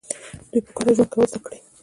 دوی په ګډه ژوند کول زده کړي.